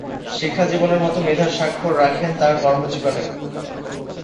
শিক্ষাজীবনের মতো মেধার স্বাক্ষর রাখেন তার কর্মজীবনেও।